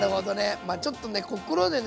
まあちょっとね心でね